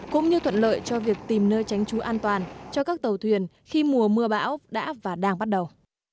cũng như thuận lợi cho việc tìm nơi tránh trú an toàn cho các tàu thuyền khi mùa mưa bão đã và đang bắt đầu